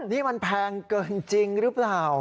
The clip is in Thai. นี่มันแพงเกินจริงหรือเปล่า